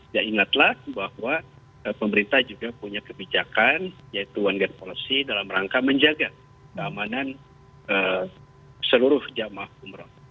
ya ingatlah bahwa pemerintah juga punya kebijakan yaitu one gate policy dalam rangka menjaga keamanan seluruh jemaah umroh